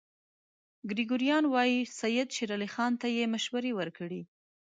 ګریګوریان وايي سید شېر علي خان ته مشورې ورکړې.